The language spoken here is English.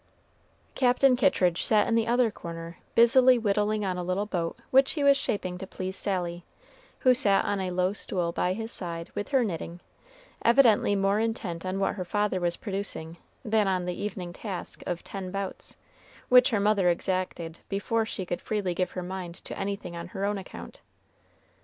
Captain Kittridge sat in the other corner busily whittling on a little boat which he was shaping to please Sally, who sat on a low stool by his side with her knitting, evidently more intent on what her father was producing than on the evening task of "ten bouts," which her mother exacted before she could freely give her mind to anything on her own account.